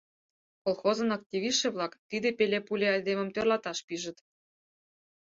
Колхозын активистше-влак тиде пеле-пуле айдемым тӧрлаташ пижыт.